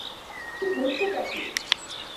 কী হচ্ছে টা কী?